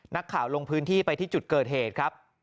ลงพื้นที่ไปที่จุดเกิดเหตุครับ